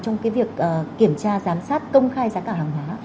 trong cái việc kiểm tra giám sát công khai giá cả hàng hóa